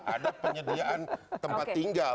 ada penyediaan tempat tinggal